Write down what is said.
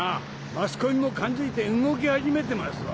マスコミも勘づいて動き始めてますわ。